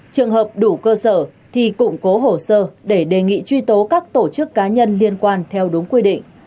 trường hợp đủ cơ sở thì cụm cố hồ sơ để đề nghị truy tố các tổ chức cá nhân liên quan theo đúng quy định